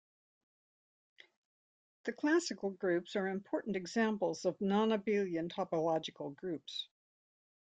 The classical groups are important examples of non-abelian topological groups.